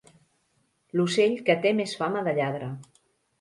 L'ocell que té més fama de lladre.